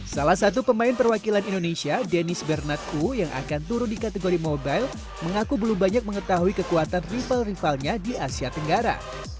salah satu pemain perwakilan indonesia dennis bernardku yang akan turun di kategori mobile mengaku belum banyak mengetahui kekuatan rival rivalnya di asia tenggara